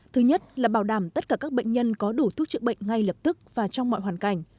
thứ nhất là bảo đảm tất cả các bệnh nhân có đủ thuốc chữa bệnh ngay lập tức và trong mọi hoàn cảnh